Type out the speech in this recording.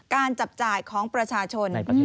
จับจ่ายของประชาชน